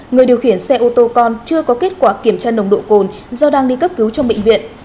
người điều khiển xe ô tô con chưa có kết quả kiểm tra nồng độ cồn do đang đi cấp cứu trong bệnh viện